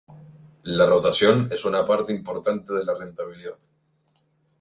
La rotación es una parte importante de la rentabilidad.